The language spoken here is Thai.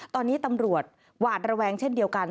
ตอนนี้ตำรวจหวาดระแวงเช่นเดียวกัน